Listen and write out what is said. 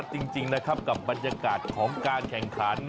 จริงนะครับกับบรรยากาศของการแข่งขัน